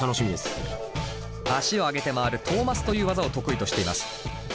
足を上げて回るトーマスという技を得意としています。